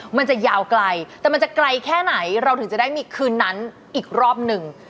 มันจะยาวไกลแต่มันจะไกลแค่ไหนเราถึงจะได้มีคืนนั้นอีกรอบหนึ่ง